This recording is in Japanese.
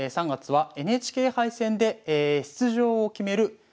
３月はＮＨＫ杯戦で出場を決める